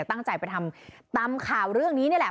ตั้งใจไปทำตามข่าวเรื่องนี้นี่แหละ